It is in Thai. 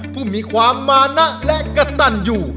เพิ่งมีความมานะและกระตั่นอยู่